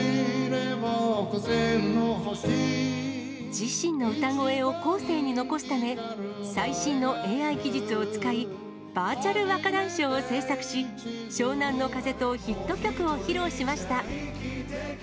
自身の歌声を後世に残すため、最新のＡＩ技術を使い、バーチャル若大将を制作し、湘南乃風とヒット曲を披露しました。